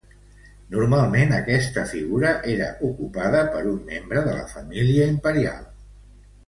Normalment esta figura era ocupada per un membre de la família imperial.